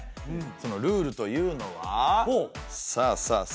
そのルールというのはさあさあ。